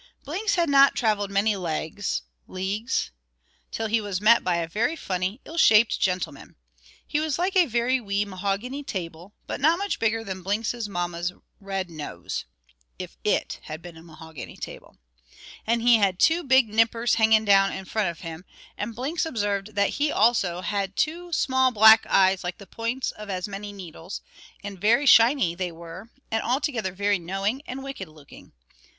_ Blinks had not travelled many legs (leagues?) till he was met by a very funny little ill shaped gentleman. He was like a very wee mahogany table, but not much bigger than Blinks's mamma's red nose (if it had been a mahogany table); and he had two big nippers hanging down in front of him; and Blinks observed that he also had too small black eyes like the points of as many needles, and very shiny they were, and altogether very knowing and wicked looking.